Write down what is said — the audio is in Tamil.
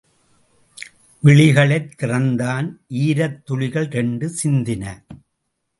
விழிகளைத் திறந்தான், ஈரத்துளிகள் இரண்டு சிந்தின.